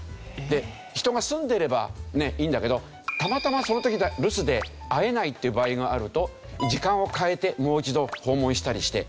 で人が住んでればいいんだけどたまたまその時留守で会えないっていう場合があると時間を変えてもう一度訪問したりして。